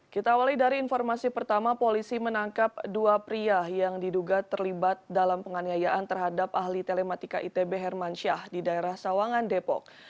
kita awali dari informasi pertama polisi menangkap dua pria yang diduga terlibat dalam penganiayaan terhadap ahli telematika itb hermansyah di daerah sawangan depok